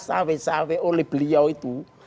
cewek cewek oleh beliau itu